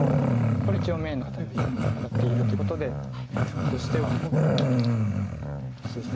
これ一応眼ない形なのでまだ残っているということで黒としてはそうですね。